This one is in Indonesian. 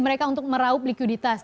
mereka untuk meraup likuiditas